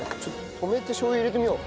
止めてしょう油入れてみよう。